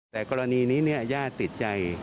แต่กรณีนี้ย่าติดใจ